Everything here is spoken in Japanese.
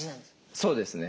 そうですね。